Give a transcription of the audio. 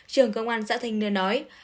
trường công an xã thành nương nói